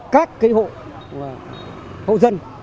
các hộ dân